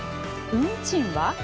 運賃は？